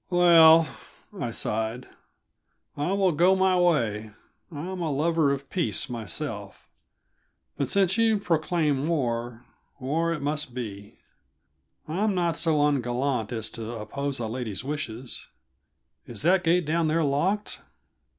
"Well," I sighed, "I will go my way. I'm a lover of peace, myself; but since you proclaim war, war it must be. I'm not so ungallant as to oppose a lady's wishes. Is that gate down there locked?"